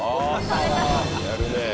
やるねえ。